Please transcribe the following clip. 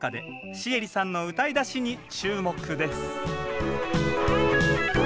シエリさんの歌いだしに注目です